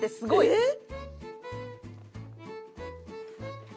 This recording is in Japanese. えっ？